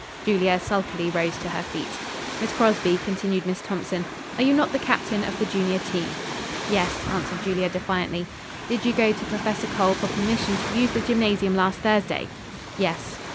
Julia sulkily rose to her feet. "Miss Crosby," continued Miss Thompson, "are you not the captain of the junior team?" "Yes," answered Julia defiantly. "Did you go to Professor Cole for permission to use the gymnasium last Thursday?" "Yes."